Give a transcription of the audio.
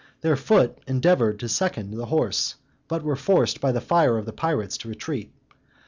Their foot endeavored to second the horse, but were forced by the fire of the pirates to retreat.